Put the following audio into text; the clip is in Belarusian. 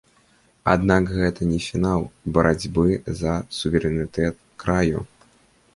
Аднак гэта не фінал барацьбы за суверэнітэт краю.